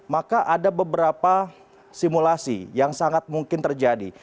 maka ada beberapa simulasi yang sangat mungkin terjadi